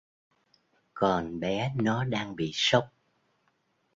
Còn bé nó đang bị sốc